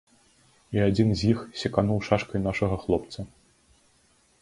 І адзін з іх секануў шашкай нашага хлопца.